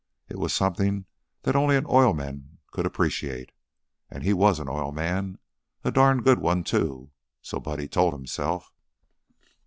It was something that only an oil man could appreciate. And he was an oil man; a darn good one, too, so Buddy told himself.